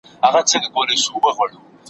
لمر له ښاره کوچېدلی `